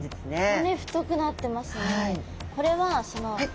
骨太くなってますね！